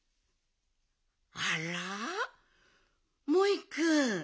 あらモイくん